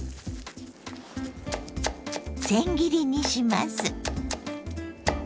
せん切りにします。